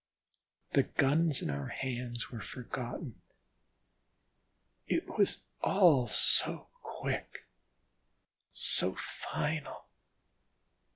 The guns in our hands were forgotten. It was all so quick, so final.